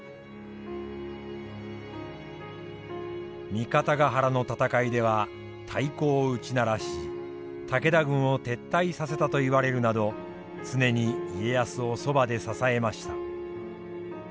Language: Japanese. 三方ヶ原の戦いでは太鼓を打ち鳴らし武田軍を撤退させたといわれるなど常に家康をそばで支えました。